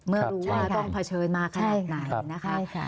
เมื่อรู้ว่าต้องเผชิญมาขนาดไหนนะคะ